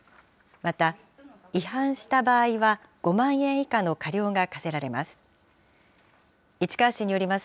また、違反した場合は５万円以下の過料が科せられます。